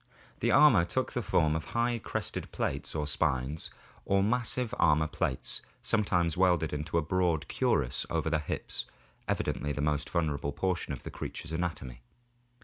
The armor took the form of high crested plates or spines, or of massive armor plates sometimes welded into a broad cuirass over the hips, evidently the most vulnerable portion of the creature's anatomy.